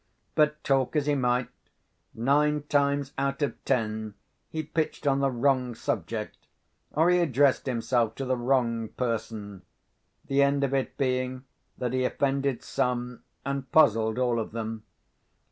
But, talk as he might, nine times out of ten he pitched on the wrong subject, or he addressed himself to the wrong person; the end of it being that he offended some, and puzzled all of them.